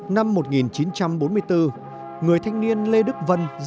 năm một nghìn chín trăm bốn mươi bốn người thanh niên lê đức vân giác ngộ